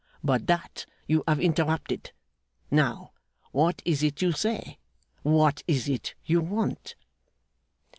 But that, you have interrupted. Now, what is it you say? What is it you want?